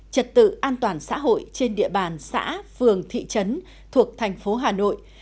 trật tự an toàn xã hội trên địa bàn xã phường thị trấn thuộc thành phố hà nội